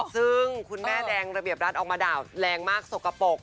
ซึ่งคุณแม่แดงระเบียบรัฐออกมาด่าแรงมากสกปรก